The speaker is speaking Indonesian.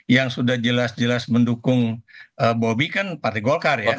yang sudah jelas jelas mendukung bobi kan partai golkar ya